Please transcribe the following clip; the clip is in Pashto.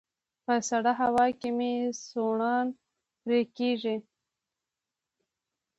په سړه هوا کې مې سوڼان پرې کيږي